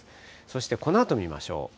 そしてこのあと見ましょう。